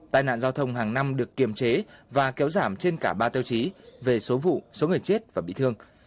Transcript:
tai nạn giao thông hàng năm được kiềm chế và kéo giảm trên cả ba tiêu chí về số vụ số người chết và bị thương